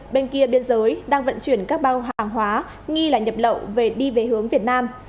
bên kia biên giới đang vận chuyển các bao hàng hóa nghi là nhập lậu về đi về hướng việt nam